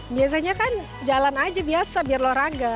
biasanya kan jalan aja biasa biar lo raga